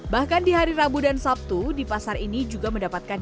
bahkan di hari rabu dan sabtu di pasar ini juga mendapatkan